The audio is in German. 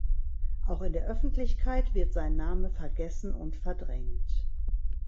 Auch in der Öffentlichkeit wird sein Name vergessen und verdrängt.